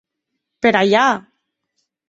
Per Allà!